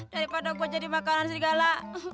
daripada gue jadi makanan segala